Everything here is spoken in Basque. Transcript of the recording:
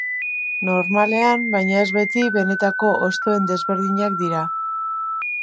Normalean, baina ez beti, benetako hostoen desberdinak dira.